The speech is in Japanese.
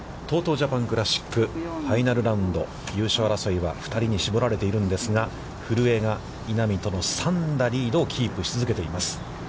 ジャパンクラシックファイナルラウンド、優勝争いは２人に絞られているんですが古江が稲見との３打リードをキープし続けています。